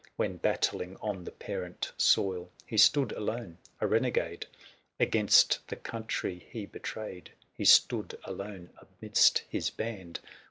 When battling on the parent soil. ^60 He stood alone — a renegade Against the country he betrayed ; He stood alone amidst his band.